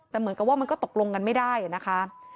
แต่เหมือนกับว่ามันก็ตกลงกันไม่ได้นะคะ